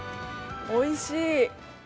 おいしい。